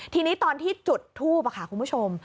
ทีนี้ตอนที่จุดทูปค่ะคุณผู้ชม